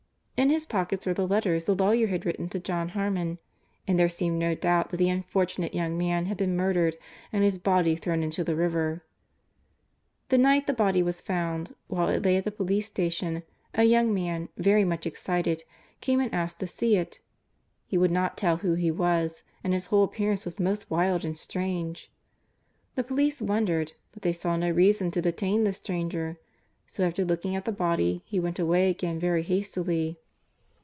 In his pockets were the letters the lawyers had written to John Harmon, and there seemed no doubt that the unfortunate young man had been murdered and his body thrown into the river. The night the body was found, while it lay at the police station, a young man, very much excited, came and asked to see it. He would not tell who he was, and his whole appearance was most wild and strange. The police wondered, but they saw no reason to detain the stranger, so after looking at the body, he went away again very hastily.